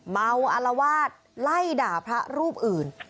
เมาอารวาสไล่ด่าพระรูปอื่น